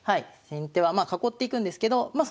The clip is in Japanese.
先手はまあ囲っていくんですけどまあ